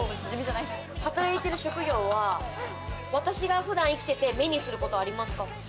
働いてる職業は、私が普段生きてて目にすることありますか？